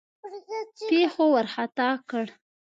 پیښو وارخطا کړ.